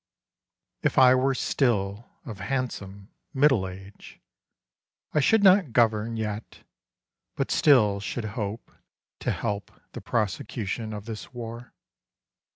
IF I were still of handsome middle age I should not govern yet, but still should hope To help the prosecution of this war.